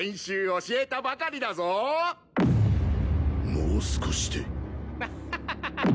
もう少しでワハハハ！